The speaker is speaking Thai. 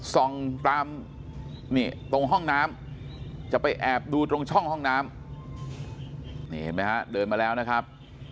ซองตามตรงห้องน้ำจะไปแอบดูตรงช่องห้องน้ำเดินมาแล้วนะครับ